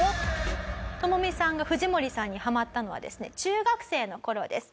トモミさんが藤森さんにハマったのはですね中学生の頃です。